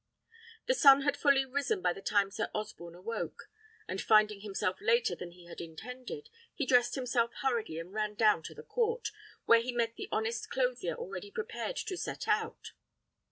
The sun had fully risen by the time Sir Osborne awoke; and finding himself later than he had intended, he dressed himself hurriedly and ran down to the court, where he met the honest clothier already prepared to set out.